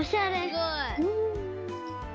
すごい。